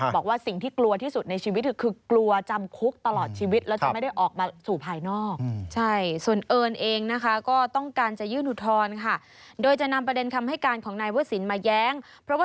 บอกว่าสิ่งที่กลัวที่สุดในชีวิตคือกลัวจำคุกตลอดชีวิตแล้วจะไม่ได้ออกมาสู่ภายนอก